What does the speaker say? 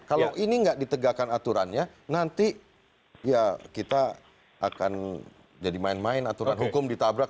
kalau ini nggak ditegakkan aturannya nanti ya kita akan jadi main main aturan hukum ditabrak